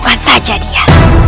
bukan saja dia